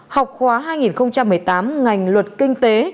học khóa hai nghìn một mươi tám ngành luật kinh tế